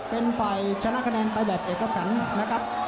เป็นฝ่ายชนะคะแนนไปแบบเอกสารนะครับ